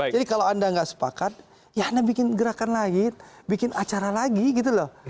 jadi kalau anda nggak sepakat ya anda bikin gerakan lain bikin acara lagi gitu loh